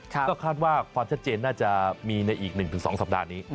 ก็คาดว่าความชัดเจนน่าจะมีในอีก๑๒สัปดาห์นี้